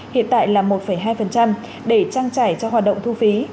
hiện tại là một hai để trang trải cho hoạt động thu phí